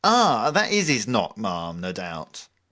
That is his knock, ma'am, no doubt.